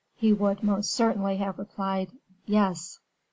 he would most certainly have replied, "Yes."